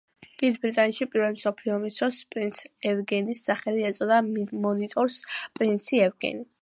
დიდ ბრიტანეთში პირველი მსოფლიო ომის დროს პრინც ევგენის სახელი ეწოდა მონიტორს „პრინცი ევგენი“.